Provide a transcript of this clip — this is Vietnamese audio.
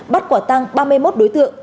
bắt quả tăng ba mươi một đối tượng